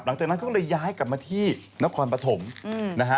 หลังจากนั้นเขาก็เลยย้ายกลับมาที่นครปฐมนะฮะ